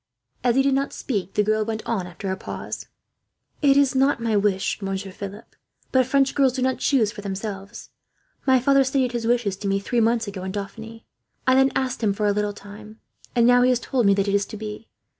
As he did not speak, the girl went on after a pause. "It is not my wish, Monsieur Philip; but French girls do not choose for themselves. My father stated his wishes to me three months ago, in Dauphiny. I then asked for a little time, and now he has told me that it is to be.